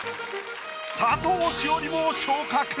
佐藤詩織も昇格！